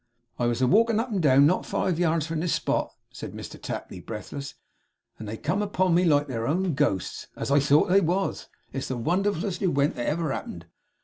'I was a walkin' up and down not five yards from this spot,' said Mr Tapley, breathless, 'and they come upon me like their own ghosts, as I thought they was! It's the wonderfulest ewent that ever happened.